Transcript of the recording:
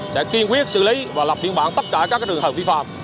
sẽ kiên quyết xử lý và lập biên bản tất cả các trường hợp vi phạm